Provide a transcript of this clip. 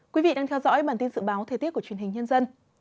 quý vị đang theo dõi bản tin dự báo thời tiết của truyền hình nhân dân